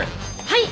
はい！